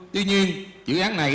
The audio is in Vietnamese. tuy nhiên dự án này